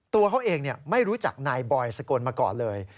ตัวเขาเองไม่รู้จักนายบอยสกลมาก่อนเลย